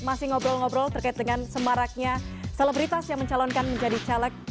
masih ngobrol ngobrol terkait dengan semaraknya selebritas yang mencalonkan menjadi caleg